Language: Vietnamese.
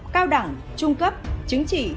cao đẳng trung cấp chứng chỉ